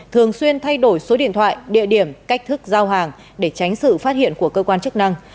thường xuyên thay đổi số điện thoại địa điểm cách thức giao hàng để tránh sự phát hiện của cơ quan chức năng